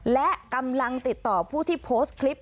และกำลังติดต่อผู้ที่โพสต์คลิป